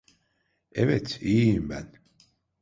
Evet, iyiyim ben.